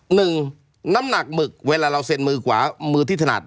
หนึ่งน้ำหนักหมึกเวลาเราเซ็นมือขวามือที่ถนัด